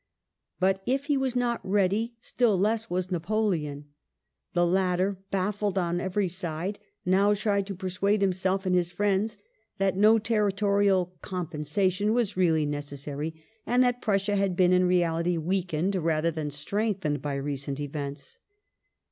But if he was not ready, still less was Napoleon. The latter, baffled on every side, now tried to persuade himself and his friends that no territorial ''compensation" was really necessary ; and that Prussia had been in reality weakened rather than strengthened by recent events.